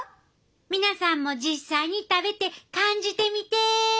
皆さんも実際に食べて感じてみて！